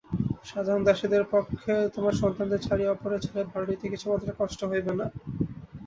সাধারণ দাসীর পক্ষে তোমার সন্তানদের ছাড়িয়া অপরের ছেলের ভার লইতে কিছুমাত্র কষ্ট হইবে না।